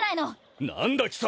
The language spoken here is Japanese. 何だ貴様！